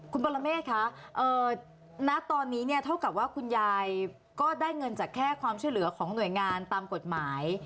คุณปรเมฆคะณตอนนี้เนี่ยเท่ากับว่าคุณยายก็ได้เงินจากแค่ความช่วยเหลือของหน่วยงานตามกฎหมาย